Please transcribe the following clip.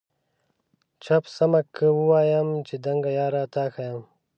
چپ سمه که ووایم چي دنګه یاره تا ښایم؟